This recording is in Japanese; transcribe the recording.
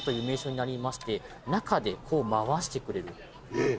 中でこう回してくれる。